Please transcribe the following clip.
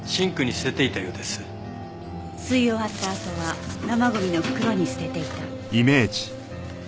吸い終わったあとは生ゴミの袋に捨てていた。